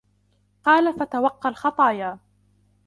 قَالَ فَتَوَقَّ الْخَطَايَا